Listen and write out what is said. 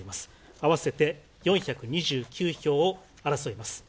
合わせて４２９票を争います。